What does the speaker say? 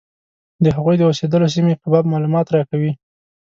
د هغوی د اوسېدلو سیمې په باب معلومات راکوي.